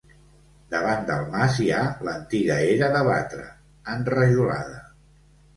Davant del mas hi ha l'antiga era de batre, enrajolada.